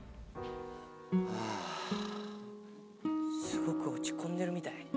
すごく落ち込んでるみたい。